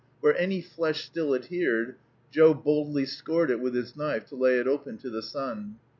Where any flesh still adhered, Joe boldly scored it with his knife to lay it open to the sun.